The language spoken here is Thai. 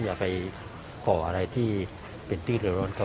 อย่าไปขออะไรที่เป็นฐาคุณอื่นครับ